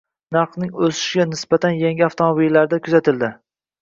Narxlarning o‘sishi nisbatan yangi avtomobillarda kuzatildi